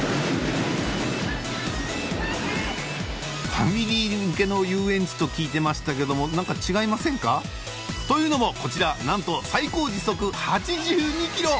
ファミリー向けの遊園地と聞いてましたけども何か違いませんか？というのもこちらなんと最高時速８２キロ！